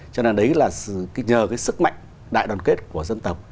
cho nên đấy là nhờ cái sức mạnh đại đoàn kết của dân tộc